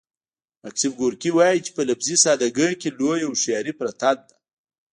ماکسیم ګورکي وايي چې په لفظي ساده ګۍ کې لویه هوښیاري پرته ده